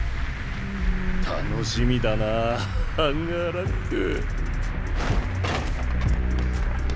楽しみだなぁハンガーラック。